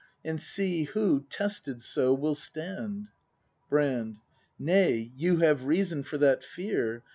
And see who, tested so, will stand. Brand. Nay, you have reason for that fear.